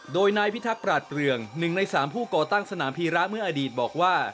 โดยนายพิทักษ์ปราดเปลือง๑ใน๓ผู้ก่อตั้งสนามพีระเมื่ออดีตบอกว่า